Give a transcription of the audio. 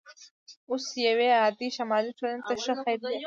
اوس یوې عادي شمالي ټولنې ته ښه ځیر شئ